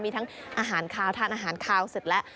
มีทั้งอาหารคาวทานอาหารคาวเสร็จแล้ว